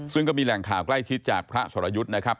ซึ่งก็มีแหล่งข่าวใกล้ชิดจากพระสรยุทธ์นะครับ